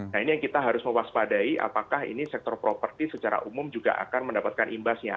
nah ini yang kita harus mewaspadai apakah ini sektor properti secara umum juga akan mendapatkan imbasnya